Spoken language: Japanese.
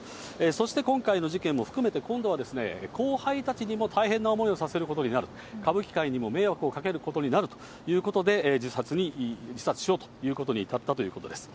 そして今回の事件も含めて、今度は後輩たちにも大変な思いをさせることになる、歌舞伎界にも迷惑をかけることになるということで、自殺しようということに至ったということです。